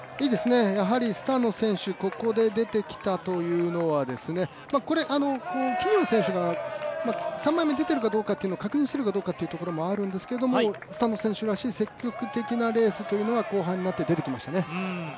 やはりスタノ選手、ここで出てきたというのはですねキニオン選手が３枚目出ているかどうかというのを確認しているかどうかというのもあるんですけどもスタノ選手らしい積極的なレースというのは後半になって出てきましたね。